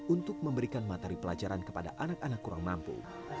untuk memberikan materi pelajaran kepada anak anak kurang mampu